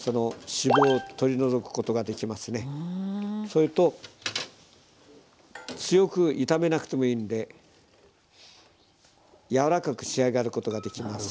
それと強く炒めなくてもいいので柔らかく仕上がることができます。